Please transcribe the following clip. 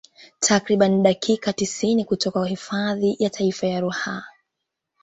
Takriban dakika tisini kutoka hifadhi ya taifa ya Ruaha